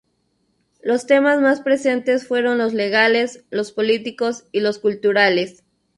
Los temas más presentes fueron los legales, los políticos y los culturales.